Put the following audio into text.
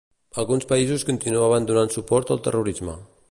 Alguns països continuaven donant suport al terrorisme.